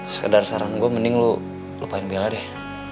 sekedar saran gue mending lo lupain bella deh